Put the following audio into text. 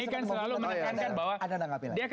dia kan selalu mengatakan bahwa pemerintah itu